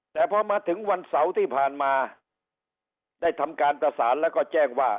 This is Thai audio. แต่พอมาถึงวันเสาร์ที่ผ่านมาได้ทำการประสานแล้วก็แจ้งว่า